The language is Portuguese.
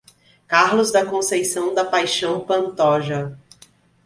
Carlos da Conceição da Paixao Pantoja